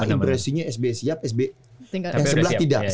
impresinya sba siap sba yang sebelah tidak